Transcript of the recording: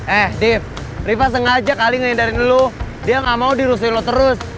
eh div riva sengaja kali ngelindarin lo dia gak mau dirusui lo terus